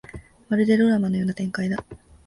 まるでドラマのような展開だ